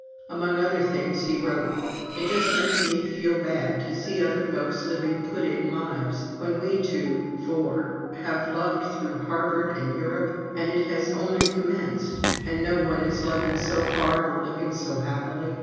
Among other things he wrote: "It just makes me feel bad to see other folks living put in lives, when we two (four) have loved through Harvard and Europe and it has only commenced, and no one is loving so hard or living so happily.